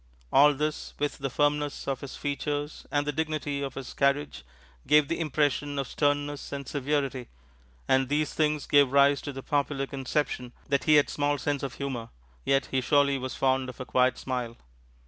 All this, with the firmness of his features and the dignity of his carriage, gave the impression of sternness and severity. And these things gave rise to the popular conception that he had small sense of humor; yet he surely was fond of a quiet smile.